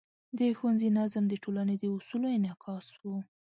د ښوونځي نظم د ټولنې د اصولو انعکاس و.